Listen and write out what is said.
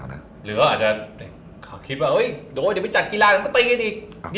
หรืออาจจะคิดว่าเดี๋ยวไปจัดกีฬาเราก็ตีดิ